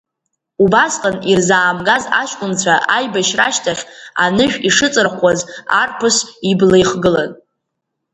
Убасҟан ирзаамгаз аҷкәынцәа аибашьра ашьҭахь анышә ишыҵырхуаз арԥыс ибла ихгылан.